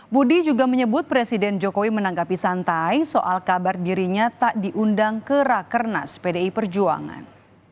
budi juga menyebut presiden jokowi menanggapi santai soal kabar dirinya tak diundang ke rakernas pdi perjuangan